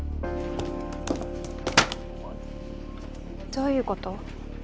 どういうこと？